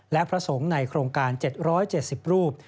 และพระสงฆ์ในโครงการ๗๗๐รูป